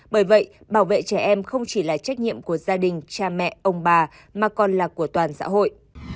bởi vậy bảo vệ trẻ em không chỉ là trách nhiệm của gia đình cha mẹ ông bà mà còn là của toàn xã hội